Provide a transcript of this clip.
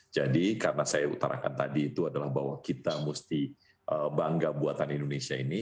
jadi karena saya utarakan tadi itu adalah bahwa kita mesti bangga buatan indonesia ini